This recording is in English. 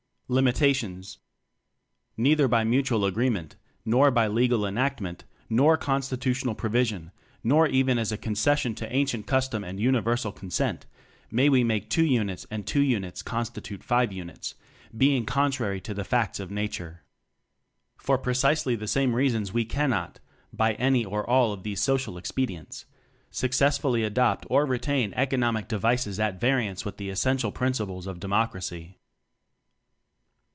Limitations. Neither by mutual agreement, nor by legal enactment, nor constitutional provision, nor even as a concession to ancient custom and universal con sent may we make two units and two units constitute five units being con trary to the facts of nature. For pre cisely the same reasons we cannot (by any or all of these social expedients) successfully adopt or retain economic devices at variance with the essential principles of Democracy.